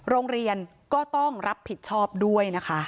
โรงเรียนก็ต้องรับผิดชอบด้วยนะคะ